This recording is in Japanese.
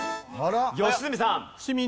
良純さん。